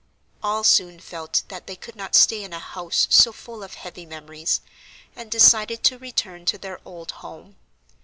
All soon felt that they could not stay in a house so full of heavy memories, and decided to return to their old home.